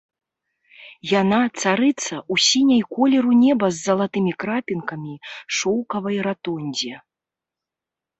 Яна, царыца, у сіняй, колеру неба з залатымі крапінкамі, шоўкавай ратондзе.